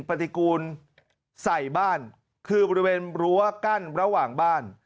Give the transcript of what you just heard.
ปฏิกูลใส่บ้านคือบริเวณรั้วกั้นระหว่างบ้าน